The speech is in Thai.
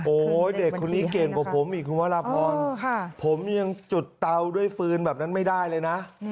เด็กคนนี้เก่งกว่าผมอีกคุณวรพรผมยังจุดเตาด้วยฟืนแบบนั้นไม่ได้เลยนะ